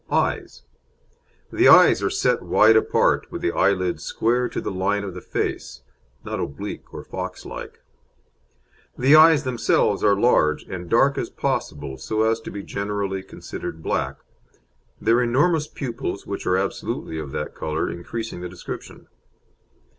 EYES The eyes are set wide apart, with the eyelids square to the line of the face, not oblique or fox like. The eyes themselves are large, and dark as possible, so as to be generally considered black, their enormous pupils, which are absolutely of that colour, increasing the description.